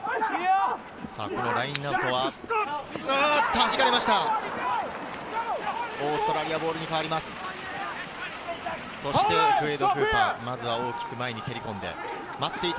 ラインアウトははじかれました。